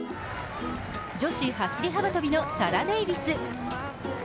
女子走り幅跳びのタラ・デイビス。